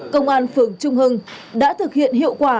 công an phường trung hưng đã thực hiện hiệu quả